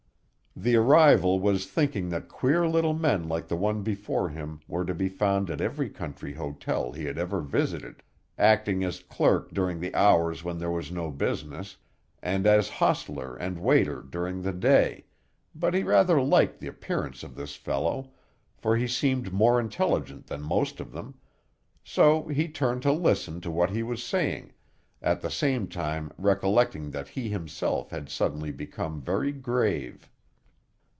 The arrival was thinking that queer little men like the one before him were to be found at every country hotel he had ever visited, acting as clerk during the hours when there was no business, and as hostler and waiter during the day, but he rather liked the appearance of this fellow, for he seemed more intelligent than the most of them, so he turned to listen to what he was saying, at the same time recollecting that he himself had suddenly become very grave.